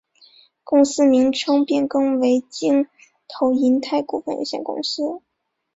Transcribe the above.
公司名称变更为京投银泰股份有限公司。